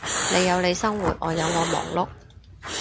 你有你生活，我有我忙碌